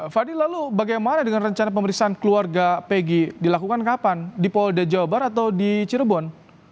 fadil lalu bagaimana dengan rencana pemeriksaan keluarga pegi dilakukan kapan di polda jawa barat atau di cirebon